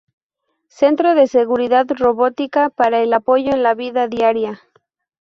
Centro de seguridad robótica para el apoyo en la vida diaria.